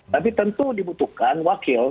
tapi tentu dibutuhkan wakil